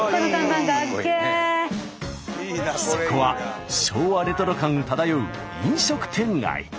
そこは昭和レトロ感漂う飲食店街。